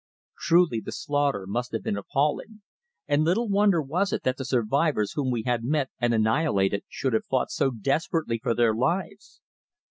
Truly the slaughter must have been appalling, and little wonder was it that the survivors whom we had met and annihilated should have fought so desperately for their lives.